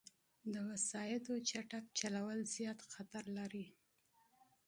د وسايطو چټک چلول، زیاد خطر لري